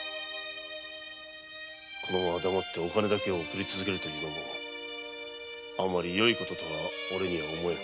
このまま黙って金だけを送り続けるというのもあまり良い事とはおれには思えん。